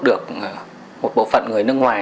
được một bộ phận người nước ngoài